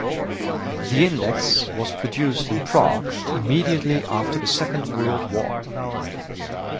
The index was produced in Prague immediately after the Second World War.